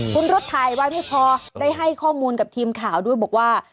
คุณรุ๊ดถ่ายไว้ไม่พอได้ให้ข้อมูลกับทีมข่าวด้วยบอกว่า